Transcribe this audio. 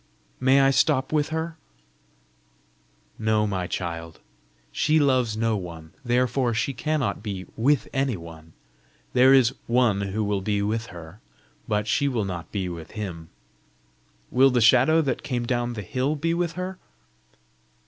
"May I stop with her?" "No, my child. She loves no one, therefore she cannot be WITH any one. There is One who will be with her, but she will not be with Him." "Will the shadow that came down the hill be with her?"